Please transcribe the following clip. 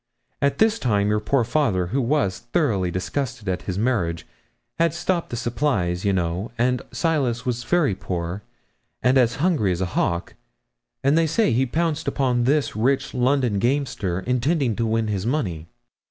At this time your poor father, who was thoroughly disgusted at his marriage, had stopped the supplies, you know, and Silas was very poor, and as hungry as a hawk, and they said he pounced upon this rich London gamester, intending to win his money.